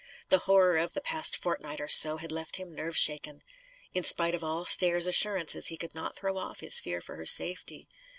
The horror of the past fortnight or so had left him nerve shaken. In spite of all Stair's assurances, he could not throw off his fear for her safety.